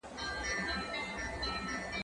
که وخت وي، کښېناستل کوم!.